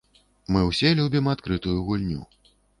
Мы ўсе любім адкрытую гульню.